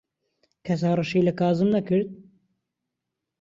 کەس هەڕەشەی لە کازم نەکرد.